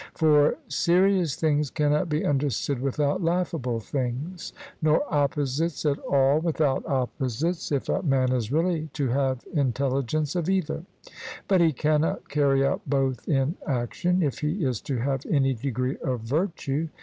For serious things cannot be understood without laughable things, nor opposites at all without opposites, if a man is really to have intelligence of either; but he cannot carry out both in action, if he is to have any degree of virtue.